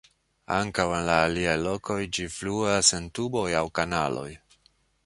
Ankaŭ en la aliaj lokoj ĝi fluas en tuboj aŭ kanaloj.